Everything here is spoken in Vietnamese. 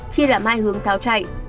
chia làm hai hướng tháo chạy